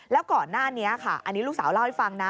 แล้วก่อนหน้านี้ค่ะอันนี้ลูกสาวเล่าให้ฟังนะ